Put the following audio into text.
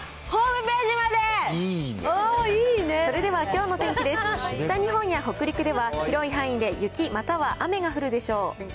北日本や北陸では広い範囲で雪または雨が降るでしょう。